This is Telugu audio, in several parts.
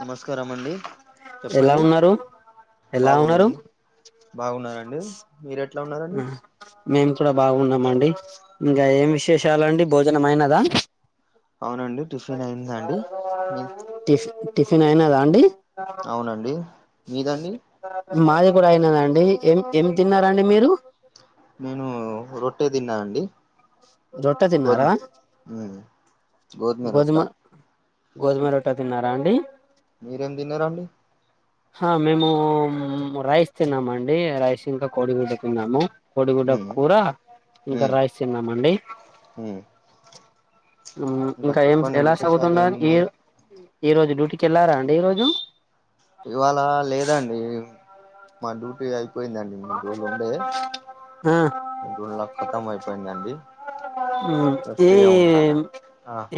నమస్కారం అండి చెప్పండి బాగున్నండి బాగున్నారండి మీరు ఎట్లా ఉన్నారండి మేము కూడా బాగున్నామండి ఇంకా ఏం విశేషాలండి భోజనం అయినదా టి టిఫిన్ అయినదా అండి అవునండి మీదండి మాది కూడా అయినదండి ఏం ఏం తిన్నారండి మీరు నేను రొట్టే తిన్నా అండి రొట్టె తిన్నారా గోధుమ గోధుమ రొట్టె తిన్నారా అండి హ మేము రైస్ తిన్నామండి రైస్ ఇంకా కోడిగుడ్డ తిన్నాము కోడిగుడ్డ కూర ఇంకా రైస్ తిన్నామండి ఇంకా ఏం ఎలా సాగుతుంద ఈ ఈ రోజు డ్యూటీకి వెళ్ళారా అండి ఈ రోజు మా డ్యూటీ అయ్యి పోయిందండి మూడు రోజులు ఉండే మూడు రోజుల కతం అయిపోయిందండి ఏమ్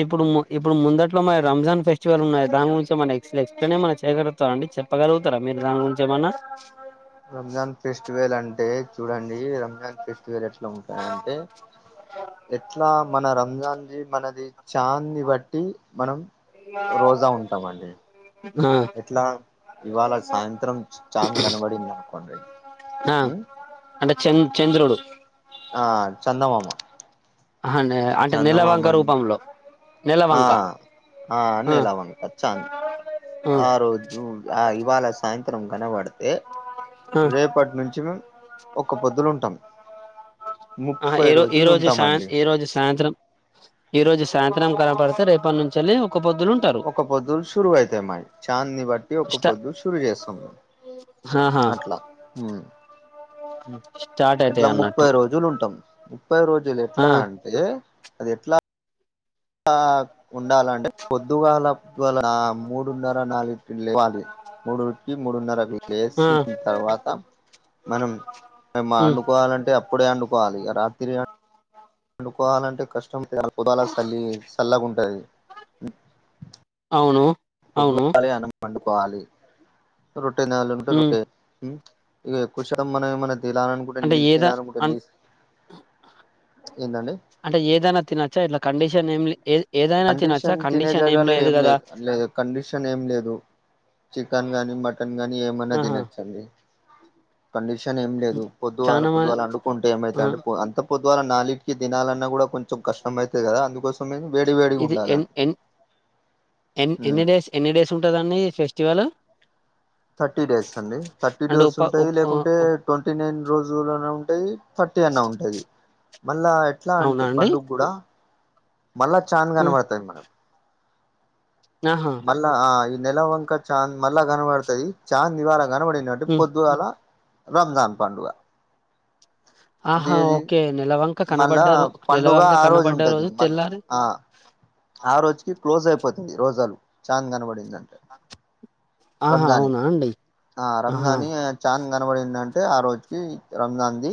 ఇప్పుడు మ ఇప్పుడు ముందట్లో మన రంజాన్ ఫెస్టివల్ ఉన్నాది దాని గురించి ఏమైన ఎక్స్ ఎక్ప్లెయిన్ ఏమైన చేయగలుగుతార అండి చెప్ప గలుగుతార మీరు ఎగ్జామ్ గురించి ఏమన్న రంజాన్ ఫెస్టివల్ అంటే చూడండి రంజాన్ ఫెస్టివల్ ఎట్లా ఉంటాయంటే ఎట్లా మన రంజాన్ కి మనది చాని బట్టి మనం రోజా ఉంటామండి ఎట్లా ఇవాళ సాయంత్రం చాన్ కనబడింది అనుకోండి ఆ అంటే చంద చంద్రుడు ఆ చందమామ అ అంటే నీలవంక రూపంలో ఆ ఆ నెలవంక పచ్చా ఆ రోజు ఆ ఇవాళ సాయంత్రం కనబడితే రేపటి నుంచి మేము ఒక పొద్దులు ఉంటాము ఆ ఈ ర ఈ రోజు సాయ ఈ రోజు సాయంత్రం ఈ రోజు సాయంత్రం కనపడితే రేపటి నుంచి ఒక పొద్దు సురువు అయితాయి మాయి చాంద్ ని బట్టి ఒక పొద్దు సురువు చేస్తుంది అట్లా ఊ ఇట్లా ముప్పై రోజులు ఉంటాం ముప్పై రోజులు ఎట్లా అంటే అది ఎట్లా ఉండాలంటే పొద్దుగాల ఈయాల మూడున్నర నాలుగుళ్లు ఇవ్వాలి మూడు మడున్న రగలే సి తర్వాత మనం మ వండుకోవాలంటే అప్పుడే వండుకోవాలి రాత్రి పండుకోవాలంటే కష్టం ఉంటది చల్లగుంటుంది నో సౌండ్ పొద్దువాలి అన్నం వండుకోవాలి రొట్టె తినే వాళ్ళు ఉంటే రొట్టె తినాలి ఇక ఎక్కువ శాతం మనం ఏమైన్నా తినాల అనుకుంటే నీళ్ళు తినాలనుకుంటే నీ అంటే ఏదైనా తినొచ్చా ఇట్లా కండిషన్ ఏం. కండిషన్ తినే జగాలో ఏం లేదు లేదు కండిషన్ ఏం లేదు చికెన్ గానీ మటన్ గానీ ఏమన్నా తినొచ్చండి కండిషన్ ఏం లేదు పొద్దువాళ్ళ పొద్దువాళ్ళు అండుకుంటే ఏమైత అంటే అంత పొద్దుగాల నాలుటికకి తినాలన్నా కూడా కొంచెం కష్టంమైతుంది కదా అందుకోసంము ఇది ఎన్ ఎన్ ఎ ఎన్ని డేస్ ఎన్ని డేస్ ఉంటదండి ఫెస్టివల్ థర్టీ డేస్ అండి థర్టీ డేస్ ఉంటాయి లేకుంటే ట్వంటీ నైన్ రోజులోనే ఉంటాయి థర్టీ అన్న ఉంటది మళ్ళా ఎట్లా అంటే పండుగ కూడా మల్ల చాను కనబడతది మనకు మళ్ళా ఆ ఈ నెల వంక చాంద్ మళ్ళా కనపడుతుది చాన్ ఈవరకు కానపడినంటే పొద్దుగాల రంజాన్ పండుగ ఆహా ఓకే నలవంక మళ్ళా పండుగ ఆ రోజు ఉంటది మళ్లీ ఆ ఆ రోజుకి క్లోజ్ అయిపోతుంది రోజులు చాన్ కనబడిందండి రా రంజాన్ ఆ రంజాన్ చాన్ కనబడి ఏందంటే ఆ రోజుకి రందాంది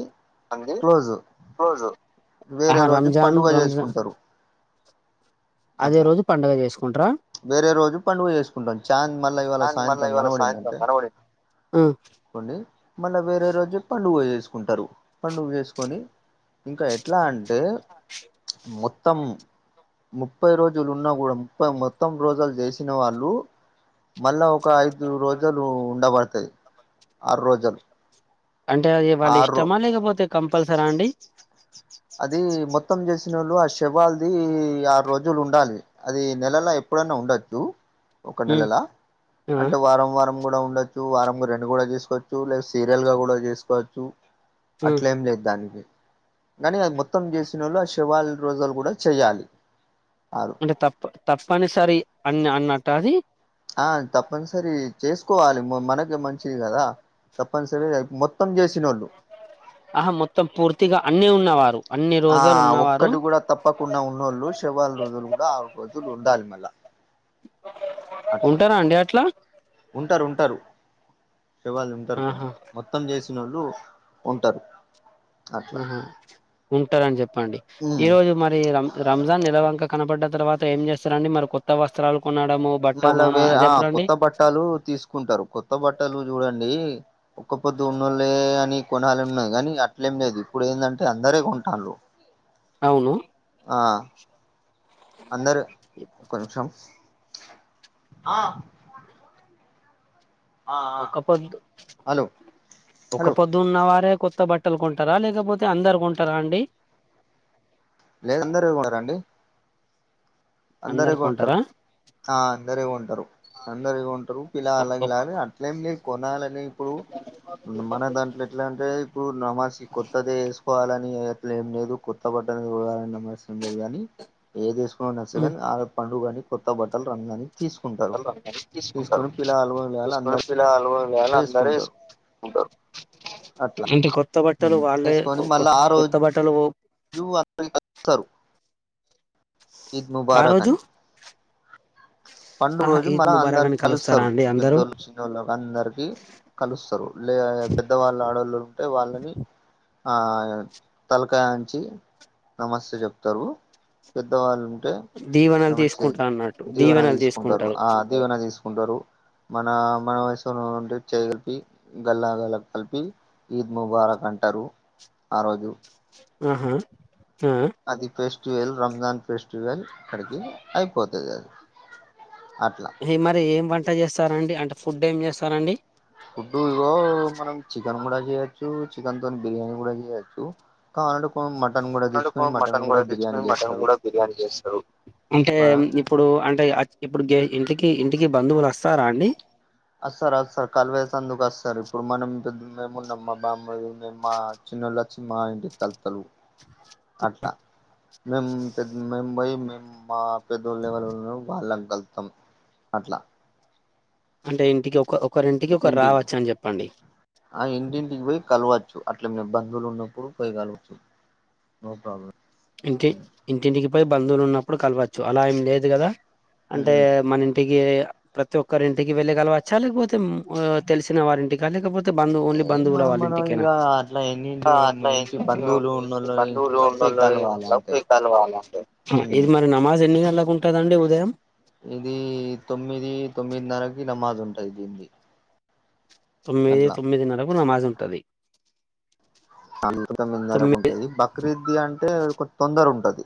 రంజన్ రంజన్ అట్లా వేరే రోజు పండుగ వేసుకుంటా చాన్ మళ్ళ ఇవాళ సాయంత్రం కనబడింద అంటే కొండి మళ్ళ వేరే రోజే పండుగ చేసి సుకుంటారు పండు చేసుకొని ఇంకా ఎట్లా అంటే ఆ మొత్తం ముప్పై రోజులున్నా కూడా ముప్పై మొత్తం రోజులు చేసిన వాళ్ళు మళ్ళా ఒక ఐదు రోజలు ఉండబడుతది ఆరు రోజలు అంటే అది వాళ్ళు ఇష్టమా లేకపోతే కంపల్సరా అండి అది మొత్తం చేసి లు ఆ శవాల్ది ఆరు రోజులు ఉండాలి అది నెలలా ఎప్పుడైనా ఉండొద్దు ఒక నెలలా అంటే వారం వారం గూడా ఉండొచ్చు వారం రెండు కూడా చేసుకోవచ్చు లే సీరియల్ గా గూడా చేసుకోవచ్చు అట్లే ఏం లేదు దానికి కానీ అది మొత్తం చేసినోళ్ళు ఆ శవాల రోజులు గూడా చేయ్యాలి అంటే తప్ తప్పనిసరి అన్ని అన్నట్టా అది ఆ తప్పనిసరి చేస్ కోవాలి మనకే మంచిది గదా తప్పనిసరి మొత్తం చేసినోళ్ళు ఆహా మొత్తం పూర్తిగా అన్నీ ఉన్నవారు ఆ ఒక్కటి గూడా తప్పకుండా ఉన్నోళ్ళు శవాల రోజులు గూడా ఆ రోజు లు ఉండాలి మల్ల ఉంటరా అండి అట్లా ఎవళ్ళు ఉండరు మొత్తం చేసినోళ్ళు ఉంటరు ఆహా ఉంటరని చెప్పండి ఈరోజు మరి రం రంజాన్ నెలవంక కనపడ్డ తర్వాత ఏం చేస్తరండి మరి కొత్త వస్త్రాలు మళ్ళా వేరే ఆ కొత్త బట్టలు తీసుకుంటారు కొత్త బట్టలు చూడండి ఒక్క పొద్దు ఉన్నళ్లే అని కొనాలి ఉన్నాయి గనీ అట్లేం లేదు ఇప్పుడు ఏందంటే అందరే కొంటాళ్ళు అవును ఆ అందరు కొంచం ఆ ఒక్కపొద్ ఒక్క పొద్దున్న వారే కొత్త బట్టలు కొంటరా లేకపోతే అందరు కొంటరా అండి లేదు అందరు కొన్నారండి అందరు కొంటరా ఆ అందరే గొంటరు అందరే గొంటరు పిలగల్లయ్ గిలగాల్లయ్ అట్లెం లే కొనాలని ఇప్పుడు పూ మన దాంట్ల ఎట్లా అంటే ఇప్పుడు నమాజ్ కి కొత్తది ఎసుకోవాలని ఎ అట్లు ఏం లేదు కొత్త బట్టలు కొనాలని నమర్శం లేదుగానీ ఏది ఎసుకోన్న తె గని ఆ పండుగ గని కొత్త బట్టలు రంజాని బట్టలు రంజానికి తీసుకుంటరు తీసుకొని పిల్లగాలు గూడా పిలగాళ్లు అందరు ఎసుకుంటరు అంటే కొత్త బట్టలు వాళ్ళే కొ కొత్త బట్టలు జువు అత్తే అత్తరు ఈద్ ముబారకని పండు రోజు మన అందరు కలుస్తరు పెద్దోళ్ళు చిన్నోళ్ళు అందరికి కలుస్తరు లే పెద్దవాళ్ళు ఆడోళ్ళు ఉంటే వాళ్ళని తలకాయ అంచి నమస్తే చెప్తరు పెద్దవాళ్ళు అంటే నమస్తే దీవెన తీసుకుంటరు ఆ దీవెన తీసుకుంటరు మనా మన వయసు ఉండి చేయి కలిపి గల్లా గల్లా కలిపి ఈద్ ముబారక్ అంటరు ఆ రోజు ఉహు అది ఫెస్టివల్ రంజాన్ ఫెస్టివల్ ఇక్కడికి అయిపోతది అది ఏ మరి ఏం వంట చేస్తారండి అంటే ఫుడ్ ఏం చేస్తారండి డు ఇగో మనం చికెన్ గూడా చేయొచ్చు చికెన్ తో బిర్యానీ గూడా చేయొచ్చు కాండు పొమ్మన్ కండు పో మటన్ గూడా తెచ్చుకొని మటన్ గూడా బిర్యానీ చేస్తరు అంటే ఇప్పుడు అంటే ఇప్పుడు గే ఇంటికి ఇంటికి బంధువులు వస్తారా అండి అస్తర్ అస్తర్ కళ్వేసందుకు అస్తర్ ఇప్పుడు మనం పెద్ మేము ఉన్నమ్ మా బామ్మ ర్థి మేమ్ మా చిన్నోళచ్చి మా అంటికి కళ్తరు అట్లా మేము పెద్ మేమ్ పోయ్ మేమ్ మా పెద్దోళ్ళు ఎవరున్నారో వాళ్ళని కలుస్తాం అట్లా అంటే ఇంటికి ఒక ఒకరి ఇంటికి ఒకరు రావచ్చు అని చెప్పండి ఇంటికి పోయి కలవచ్చు అట్లే మీకు బంధువులు ఉన్నప్పుడు పోయి కలవచ్చు నో ప్రాబ్లం ఇంటి ఇంటింటికి పోయి బంధువులు ఉన్నప్పుడు కలవచ్చు అలా ఏం లేదు కదా అంటే మన ఇంటికి ప్రతి ఒక్కరింటికి వెళ్లి కలవచ్చా లేకపోతే ఉహ్మ్ ఆ తెలిసిన వారింటికా లేకపో తే బంధువుల్ని బంధువుల వాళ్ళ ఇంటికేనా హా ఇది మరి నమాజ్ ఎన్ని గంటలకు ఉంటాదండి ఉదయం తగ్గింది తొమ్మిది తొమ్మిది నరకు నమాజ్ ఉంటది అనుకుంటే ముందరకుంటది బక్రీద్ ది అంటే కొ తొందర ఉంటది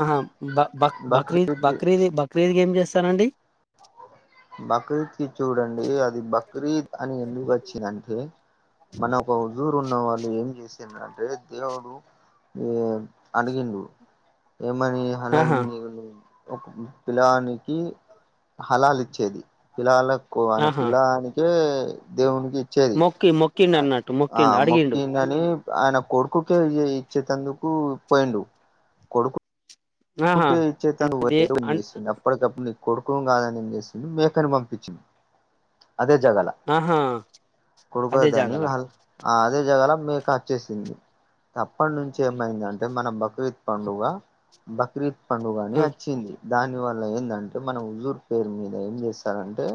ఆహా బ బ బక్రీద్ బక్రీద్ బక్రీద్ కి ఏం చేస్తారండి బక్రీద్ కి చూడండి అది బక్రీద్ అని ఎందుకు వచ్చింది అంటే మన ఒక్క హోంజూర్ ఉన్న వాళ్ళు ఏం చేస్ ఏంది అంటే దేవుడు యూ అడిగిండు ఏమని హలాల్ నీ [unintelligible] ఒక పిల్లవాణ్ణి ఇచ్చి హలాల్ ఇ చేది పిల్ల వాళ్లకు అను పిల్లగానికే దేవుని ఇచ్చేది ఆ మొక్కిందని ఆయన కొడుకుకే ఎ ఇచ్చేతందుకు పోయిండు కొడుకు కుకే ఇచ్చేతందుకు [unintelligible] అప్పటికప్పుడు కొడుకుని కాదని ఏం చేసింది మేకను పంపించింది అదే జగాలా కొడుకుల దాని హాల్ ఆ అదే జాగాల మేప్ కాచ్చేసింది అప్పటి నుంచి ఏమైందంటే మన బక్రీద్ పండుగ బక్రీద్ పండుగుని అచ్చింది దాని వల్ల ఏందంటే మనం హుజూర్ పేరు మీద ఏం చేశారంటే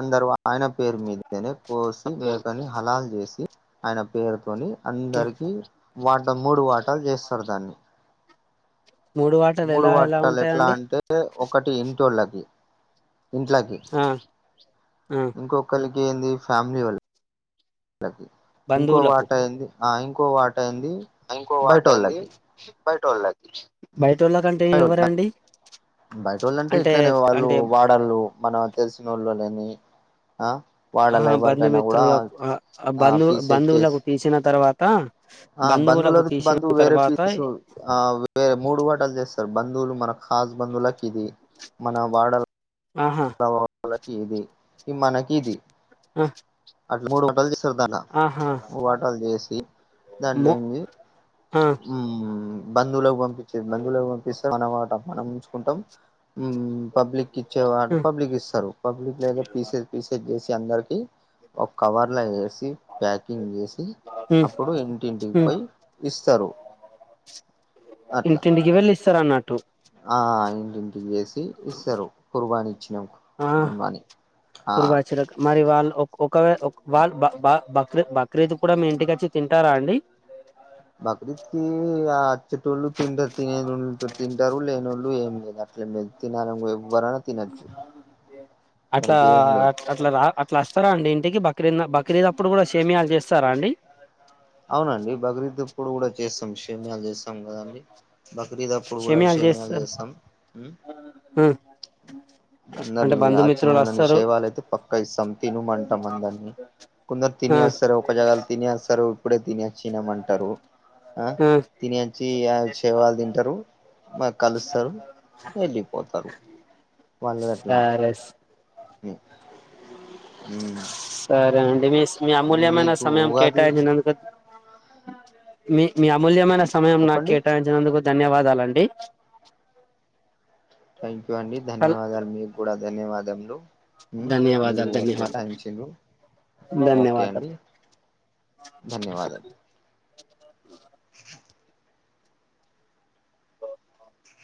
అందరు ఆయన పేరు మీదే తేనే కోసి మేకని హలాల్ చేసి ఆయన పేరుతోని అందరికి వాటం మూడు వాటాలు చేస్తారు దాన్ని మూడు వట్టాలు ఎట్లా అంటే ఒకటి వింటోళ్ల ఇంట్లకి ఇంకొకళ్ళు ఏంది ఫ్యామిలీ వాళ్ళు లకి ఇంకో వాట ఏంది ఆ ఇంకో వా టయింది బయట వోళ్ళకి బైటోళ్ళకి కంటే ఇవ్వరా అండి బయట వొళ్ళు అంటే ఇట్లనే వాళ్ళు వాడళ్ళు మన తెలిసిన వోళ్ళు లేనని ఆ వాళ్ల లేబర్ పైన కూడా ఆ పీసెస్ చేసి ఆ బంధువులది బంధువు వేరే పీస్ ఉ ఆ వేరే మూడు వాటాల చేస్ బంధువులు మన కాస్ బంధువులకి ఇది మన వాడల [unintelligible] కిది ఈ మనకి ఇది ఉ అట్లా మూడు వంటలు చేస్తారు దాన్న మూడు వాటాలు చేసి దాంట్లో ఏంది యూ బంధువులకు పంపించేది బంధువులకు పంపిస్తే మన హాఫ్ మనం ఉంచుకుంటాం యూ పబ్లిక్ ఇచ్చే వటం కి ఇస్తారు పబ్లిక్ లేదా పీసెస్ పీసెస్ చేసి అందరికి ఒక కవర్ లో ఏస్ సి ప్యాకింగ్ చేసి అప్పుడు ఇంటింటికి పోయి ఇస్తారు ఇంటింటికి వెళ్ళి ఇస్తార అన్న ఆ ఇంటి టి కేసీ ఇస్తారు కుర్వాని ఇచ్చినామ్ మిమని ఆ ఓ ఓ ఒక ఒక ఒక వాళ్ళు బ బ బ బక్రీద్ బక్రీద్ కూడా మీ ఇంటికి వచ్చి తింటారా అండి బక్రీద్ కి ఆ అచ్చేటోళ్ళు తింటా తినేంత తింటారు లేనోళ్లు ఏం లేదు అ మెతే నంగ [inaudible] అట్లా అట్లా రా అట్లా వస్తారా అండి ఇంటికి బ బక్రీంద బక్రీదప్పుడు సేమియాలు చేస్తారా అండి అవునండి భక్రిదప్పుడు కూడా చేస్తాం కషేమయాలు చేస్తాం కదండి బక్రీదప్పుడు కూడా షేమ్యాలు చేస్తాం అందరి ఆ చిన్నళ నిషేవాలు అయితే పక్కా ఇస్తాం తినుమంటాం అందరినీ కొందరు తిననిేస్తారు ఒక జగాలు తిననిేస్తారు ఇప్పుడ తిని వచ్చినామ అంటారు ఆ తిని వచ్చి వచ్చేవాళ్ళు తింటారు మా కలుస్తారు వెళ్ళిపోతారు వాళ్ళదిట్లా హ్మ్ సరే అండి మీ మీ అమూల్యమైన సమయం కేటాయించేందుకు మీ మీ అమూల్యమైన సమయం నాకు కేటాయించినందుకు ధన్యవాదాలు అండి థ్యాంక్ యూ అండి ధన్యవాదాలు మీకు కూడా ధన్యవాదములు మీరు కూడ కేటాయించిరు ఓకే అండి ధన్యవాదాలు